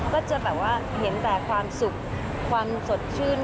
ก็จะเห็นแต่ความสุขความสดชื่น